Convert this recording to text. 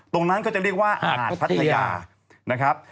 ตรงนั้นก็จะเรียกว่าหาดพัทยานะครับ